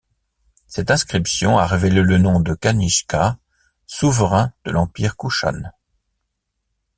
Cette inscription a révélé le nom de Kanishka, souverain de l'Empire kouchan.